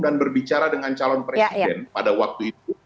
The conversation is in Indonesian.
dan berbicara dengan calon presiden pada waktu itu